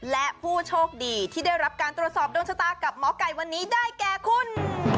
และผู้โชคดีที่ได้รับการตรวจสอบดวงชะตากับหมอไก่วันนี้ได้แก่คุณ